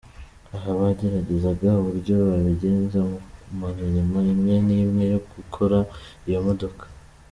Aha bagaragazaga uburyo babigenza mu mirimo imwe n'imwe yo gukora iyi modoka .